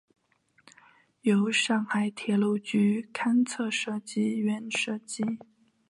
由上海铁路局勘测设计院设计。